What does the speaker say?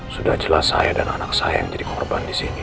sudah jelas saya dan anak saya yang jadi korban di sini